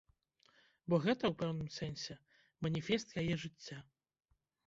Бо гэта, у пэўным сэнсе, маніфест яе жыцця.